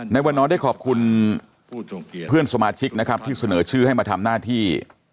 ในวันน้อยได้ขอบคุณเพื่อนสมาชิกนะครับที่เสนอชื่อให้มาทำหน้าที่